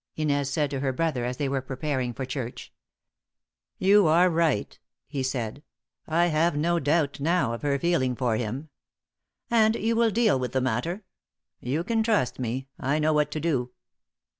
Inez said to her brother as they were preparing for church. "You are right," he said. "I have no doubt now of her feeling for him." "And you will deal with the matter?" "You can trust me. I know what to do."